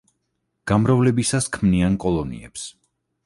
გამრავლებისას ქმნიან კოლონიებს.